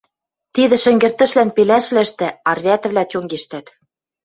Тидӹ шӹнгӹртӹшвлӓн пелӓшвлӓштӹ — арвӓтӹвлӓ — чонгештӓт!